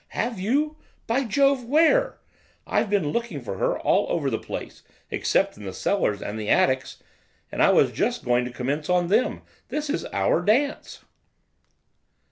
Have you? By Jove! Where? I've been looking for her all over the place, except in the cellars and the attics, and I was just going to commence on them. This is our dance.